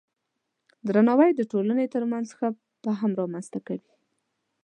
درناوی د ټولنې ترمنځ ښه فهم رامنځته کوي.